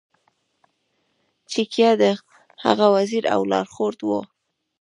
چാണکیا د هغه وزیر او لارښود و.